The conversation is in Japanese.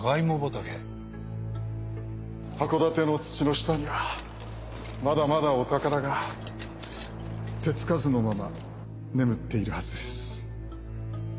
函館の土の下にはまだまだお宝が手付かずのまま眠っているはずです。